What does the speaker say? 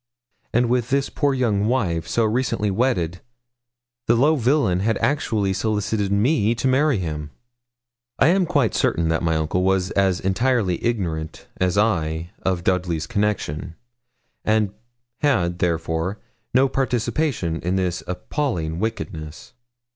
And with this poor young wife, so recently wedded, the low villain had actually solicited me to marry him! I am quite certain that my uncle was as entirely ignorant as I of Dudley's connection, and had, therefore, no participation in this appalling wickedness.